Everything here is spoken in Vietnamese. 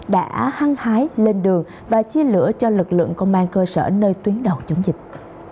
đã hăng hái lên đường và chia lửa cho lực lượng công an cơ sở nơi tuyến đầu chống dịch